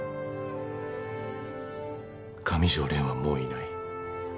上條はもういない。